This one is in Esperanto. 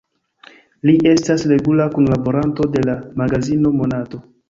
Li estas regula kunlaboranto de la magazino "Monato".